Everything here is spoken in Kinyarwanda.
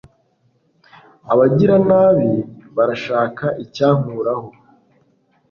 abagiranabi barashaka icyankuraho